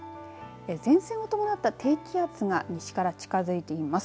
前線を伴った低気圧が西から近づいています。